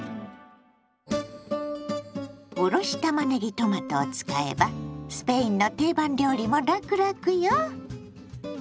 おろしたまねぎトマトを使えばスペインの定番料理もラクラクよ！